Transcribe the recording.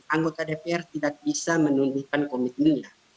anggota dpr tidak bisa menundukkan komitmennya